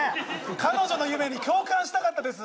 彼女の夢に共感したかったです